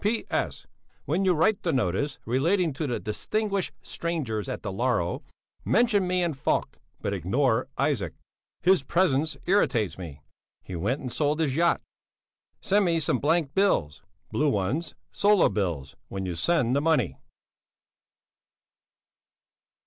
B. P.S. When you write the notice relating to the distinguished strangers at Dalarö, mention me and Falk, but ignore Isaac; his presence irritates me he went and sold his yacht. Send me some blank bills (blue ones, sola bills) when you send the money.